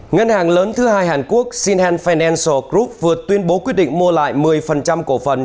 ngân hàng lớn thứ hai hàn quốc sinel fennanal group vừa tuyên bố quyết định mua lại một mươi cổ phần